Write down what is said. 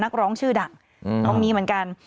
นักร้องชื่อดังน้องมีเหมือนกัน